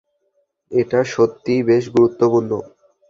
এটা সত্যিই বেশ গুরুত্বপূর্ণ!